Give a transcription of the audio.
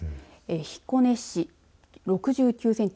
彦根市６９センチ。